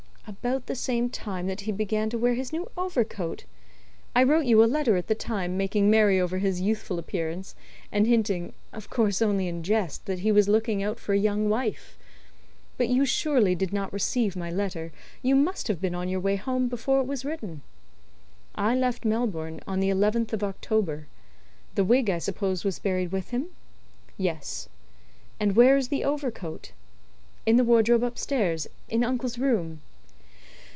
"About the same time that he began to wear his new overcoat. I wrote you a letter at the time, making merry over his youthful appearance and hinting of course only in jest that he was looking out for a young wife. But you surely did not receive my letter. You must have been on your way home before it was written." "I left Melbourne on the 11th of October. The wig, I suppose, was buried with him?" "Yes." "And where is the overcoat?" "In the wardrobe upstairs, in uncle's room."